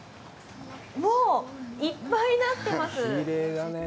もういっぱいなってます。